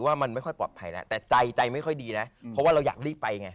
ว่ามันไม่ค่อยปลอดภัยแล้วแต่ใจใจไม่ค่อยดีนะเพราะว่าเราอยากรีบไปไง